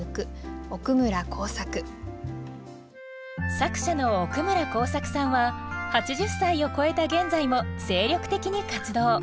作者の奥村晃作さんは８０歳をこえた現在も精力的に活動。